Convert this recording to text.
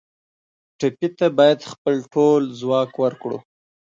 ټپي ته باید خپل ټول ځواک ورکړو.